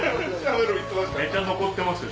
めちゃ残ってますよ。